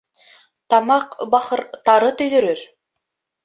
Тамаҡ, бахыр, тары төйҙөрөр.